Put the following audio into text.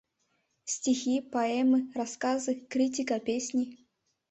Стихи, поэмы, рассказы, критика, песни